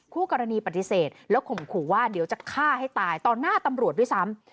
คู่กรณีปฏิเสธแล้วข่มขู่ว่าเดี๋ยวจะฆ่าให้ตายต่อหน้าตำรวจด้วยซ้ำ